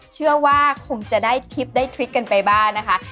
เชื่อว่าคงจะได้ทริปได้ทริกกันไปบ้างนะคะ